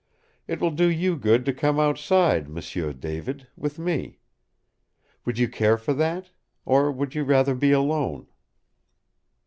It will do you good to come outside, M'sieu David with me. Would you care for that? Or would you rather be alone?"